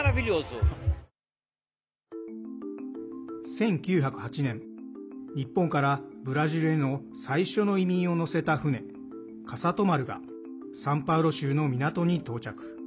１９０８年日本からブラジルへの最初の移民を乗せた船笠戸丸がサンパウロ州の港に到着。